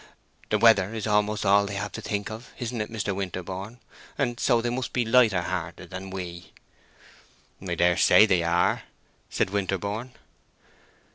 The weather is almost all they have to think of, isn't it, Mr. Winterborne? and so they must be lighter hearted than we." "I dare say they are," said Winterborne.